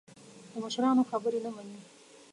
د مشرانو خبرې نه مني.